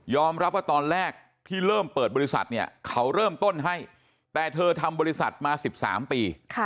รับว่าตอนแรกที่เริ่มเปิดบริษัทเนี่ยเขาเริ่มต้นให้แต่เธอทำบริษัทมา๑๓ปี